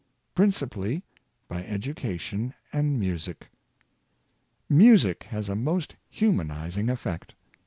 Principally by education and music. Music has a most humanizing effect.